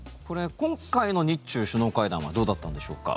今回の日中首脳会談はどうだったんでしょうか。